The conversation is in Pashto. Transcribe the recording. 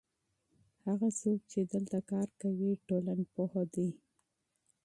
هغه څوک چې دلته کار کوي ټولنپوه دی.